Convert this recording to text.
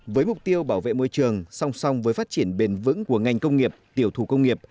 với mục tiêu bảo vệ môi trường song song với phát triển bền vững của ngành công nghiệp tiểu thủ công nghiệp